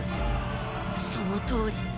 そのとおり。